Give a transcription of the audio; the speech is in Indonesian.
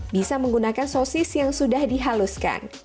bisa menggunakan sosis yang sudah dihaluskan